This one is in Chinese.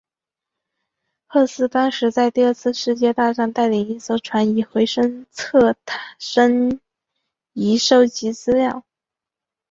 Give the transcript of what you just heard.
赫斯当时在第二次世界大战带领一艘船以回声测深仪收集资料。